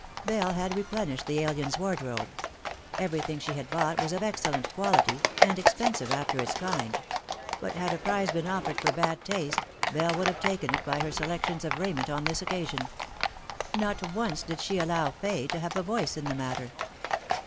Bell had replenished the alien's wardrobe. Everything she had bought was of excellent quality, and expensive after its kind ; but had a prize been offered for bad taste, Bell would have taken it by her selections of raiment on this occasion. Not once did she allow Fay to have a voice in the matter.